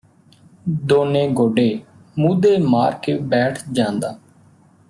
ਦੋਂਨੇ ਗੋਡੇ ਮੂਧੇ ਮਾਰ ਕੇ ਬੈਠ ਜਾਂਦਾ